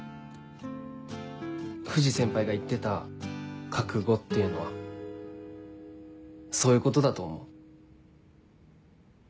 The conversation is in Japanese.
藤先輩が言ってた「覚悟」っていうのはそういうことだと思う。